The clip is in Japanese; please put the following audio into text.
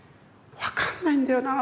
「分かんないんだよなぁ